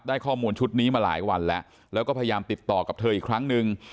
ข้อมูลชุดนี้มาหลายวันแล้วแล้วก็พยายามติดต่อกับเธออีกครั้งนึง